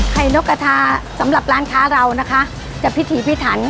นกกระทาสำหรับร้านค้าเรานะคะจะพิถีพิถัน